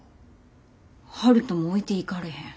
悠人も置いていかれへん。